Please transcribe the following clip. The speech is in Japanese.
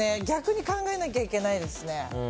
逆に考えなきゃいけないですね。